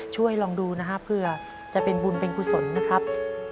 ช่วยลองดูนะครับเผื่อจะเป็นบุญเป็นกุศลนะครับ